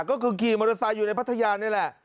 ก็คือขี่มอเตอร์ไซค์อยู่ในพัทยานี่แหละ